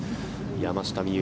山下美夢